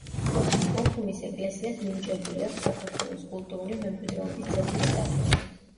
ოქუმის ეკლესიას მინიჭებული აქვს საქართველოს კულტურული მემკვიდრეობის ძეგლის სტატუსი.